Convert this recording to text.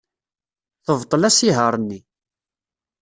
Tebṭel asihaṛ-nni.